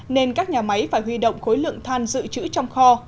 nên các nhà máy phải huy động khối lượng than dự trữ trong kho